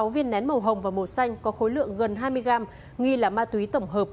một trăm chín mươi sáu viên nén màu hồng và màu xanh có khối lượng gần hai mươi g nghi là ma túy tổng hợp